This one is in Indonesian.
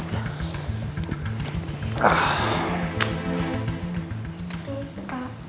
terima kasih pak